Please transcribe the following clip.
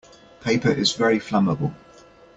Paper is very flammable.